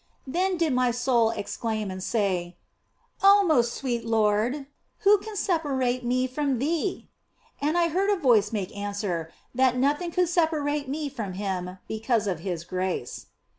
Then did my soul exclaim and say, " Oh, most sweet Lord, who can separate me from Thee ?" and I heard a voice make answer that nothing could separate me from Him because of His grace.